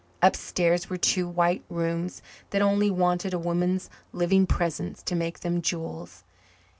Upstairs were two white rooms that only wanted a woman's living presence to make them jewels.